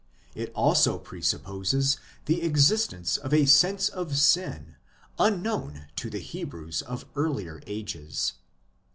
It also presupposes the exist ence of a sense of sin unknown to the Hebrews of earlier ages.